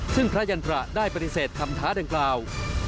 ซึ่งพระยันตระได้ปฏิเสธคำท้าดังกล่าว